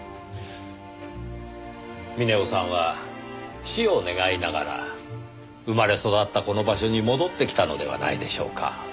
峰夫さんは死を願いながら生まれ育ったこの場所に戻ってきたのではないでしょうか。